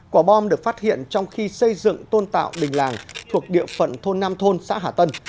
quả bom được phát hiện trong khi xây dựng tôn tạo đình làng thuộc địa phận thôn nam thôn xã hà tân